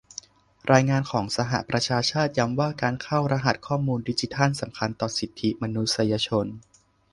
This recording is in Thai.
รายงานของสหประชาชาติย้ำว่าการเข้ารหัสข้อมูลดิจิทัลสำคัญต่อสิทธิมนุษยชน